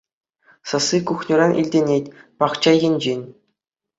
Сасси кухньӑран илтӗнет, пахча енчен.